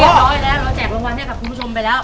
ร้อยแล้วเราแจกรางวัลให้กับคุณผู้ชมไปแล้ว